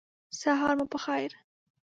سهار مو په خیر !